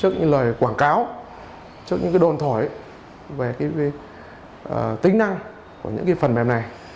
rồi quảng cáo trước những cái đồn thổi về cái tính năng của những cái phần mềm này